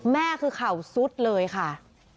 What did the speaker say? แม่คือเข่าซุดเลยค่ะ